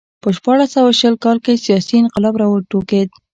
په شپاړس سوه شل کال کې سیاسي انقلاب راوټوکېد